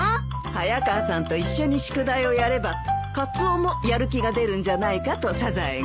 早川さんと一緒に宿題をやればカツオもやる気が出るんじゃないかとサザエが。